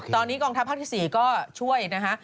ตอนนี้กองทัพภาคที่๔ก็ช่วยนะคะ